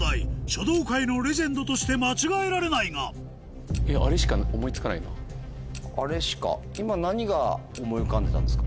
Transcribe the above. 書道界のレジェンドとして間違えられないがあれしか？